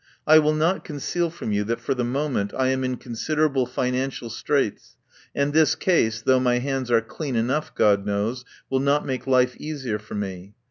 I will not conceal from you that for the moment I am in considerable financial straits, and this case, though my hands are clean enough, God knows, will not make life easier for me.